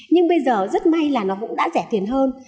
nhưng bây giờ rất may là nó cũng đã rẻ tiền hơn